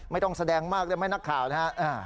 ไม่ต้องแสดงมากได้ไหมนักข่าวนะฮะ